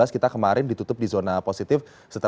kita kemarin ditutup di zona positif